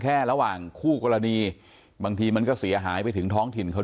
ระหว่างคู่กรณีบางทีมันก็เสียหายไปถึงท้องถิ่นเขา